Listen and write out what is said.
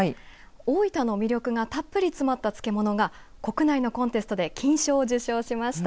大分の魅力がたっぷり詰まった漬物が国内のコンテストで金賞を受賞しました。